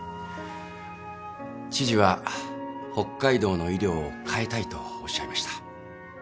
知事は北海道の医療を変えたいとおっしゃいました。